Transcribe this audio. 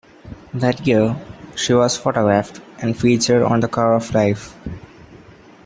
That year, she was photographed and featured on the cover of "Life".